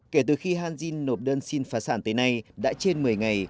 kể từ khi hanzin nộp đơn xin phá sản tới nay đã trên một mươi ngày